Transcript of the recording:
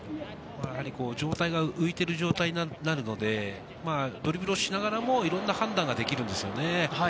状態が浮いている状態になるので、ドリブルをしながらも、いろんな判断ができるんですよね。